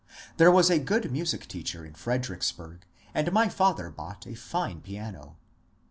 There was a good music teacher in Fredericksburg, and my father bought a fine piano.